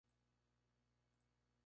Su cabecera es Ciudad Altamirano.